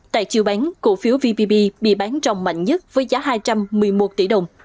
tại chiều bán cổ phiếu vpb bị bán trồng mạnh nhất với giá hai trăm một mươi một tỷ đồng